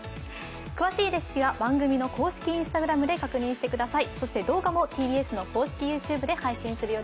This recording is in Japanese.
詳しいレシピは番組の公式Ｉｎｓｔａｇｒａｍで確認してください。